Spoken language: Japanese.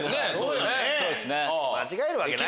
間違えるわけない。